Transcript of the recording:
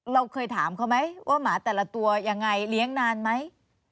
เราเคยถามเขาไหมว่าหมาแต่ละตัวยังไงเลี้ยงนานไหม